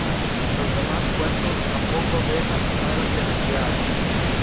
Los demás cuentos tampoco dejan nada que desear.